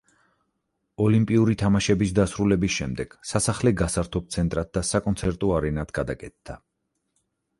ოლიმპიური თამაშების დასრულების შემდეგ სასახლე გასართობ ცენტრად და საკონცერტო არენად გადაკეთდა.